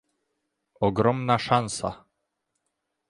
ogromna szansa